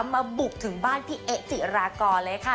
มาบุกถึงบ้านพี่เอ๊จิลาก่อนเลยค่ะ